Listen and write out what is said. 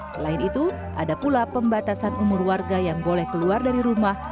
selain itu ada pula pembatasan umur warga yang boleh keluar dari rumah